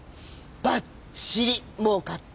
ばっちりもうかって。